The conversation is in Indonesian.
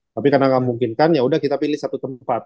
tapi karena gak memungkinkan ya udah kita pilih satu tempat